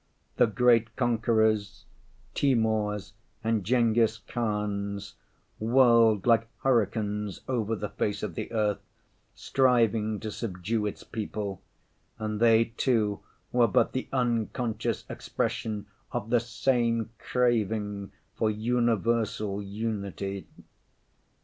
The great conquerors, Timours and Ghenghis‐Khans, whirled like hurricanes over the face of the earth striving to subdue its people, and they too were but the unconscious expression of the same craving for universal unity.